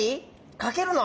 かけるの？